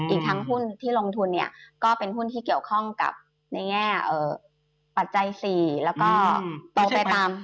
อีกทั้งหุ้นที่ลงทุนเนี่ยก็เป็นหุ้นที่เกี่ยวข้องกับในแง่ปัจจัย๔แล้วก็โตไปตาม